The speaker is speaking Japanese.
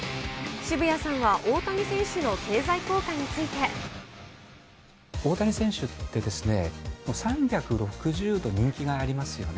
渋谷さんは大谷選手の経済効果について。大谷選手って、３６０度人気がありますよね。